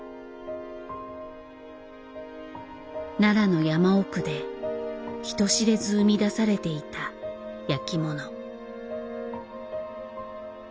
奈良の山奥で人知れず生み出されていた焼きもの。